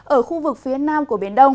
ở khu vực phía nam của biển đông